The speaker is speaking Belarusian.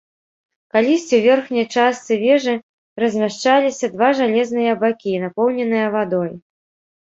Калісьці ў верхняй частцы вежы размяшчаліся два жалезныя бакі, напоўненыя вадой.